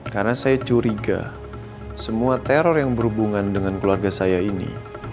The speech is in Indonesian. karena saya curiga semua teror yang berhubungan dengan keluarga saya ini